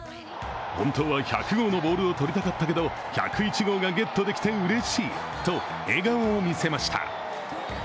本当は１００号のボールをとりたかったけど、１０１号のボールがゲットできてうれしいと笑顔を見せました。